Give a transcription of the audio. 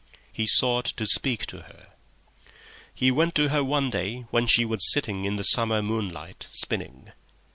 He sought to speak to her. He went to her one day when she was sitting in the summer moonlight spinning.